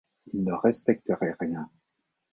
Ils ne respecteraient rien